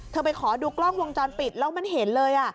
ไปขอดูกล้องวงจรปิดแล้วมันเห็นเลย